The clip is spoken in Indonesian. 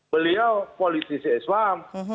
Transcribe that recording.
beliau polisi si islam